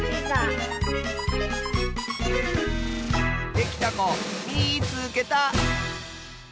できたこみいつけた！